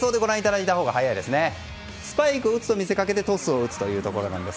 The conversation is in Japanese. スパイクを打つと見せかけてトスを打つというものです。